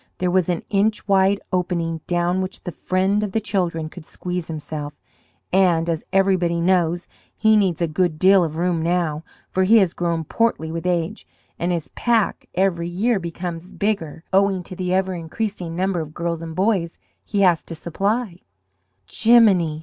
There was an inch wide opening down which the Friend of the Children could squeeze himself, and, as everybody knows, he needs a good deal of room now, for he has grown portly with age, and his pack every year becomes bigger, owing to the ever increasing number of girls and boys he has to supply "Gimini!"